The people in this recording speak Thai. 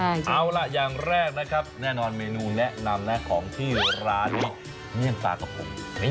เอาล่ะอย่างแรกนะครับแน่นอนเมนูแนะนำนะของที่ร้านนี้เมี่ยงตากับผม